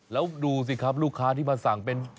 แล้วดูสิครับลูกค้าที่มาสั่งเป็น